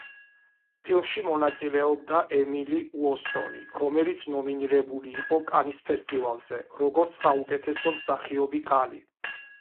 ფილმში მონაწილეობდა ემილი უოტსონი, რომელიც ნომინირებული იყო კანის ფესტივალზე, როგორც საუკეთესო მსახიობი ქალი.